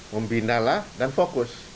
pembinalah dan fokus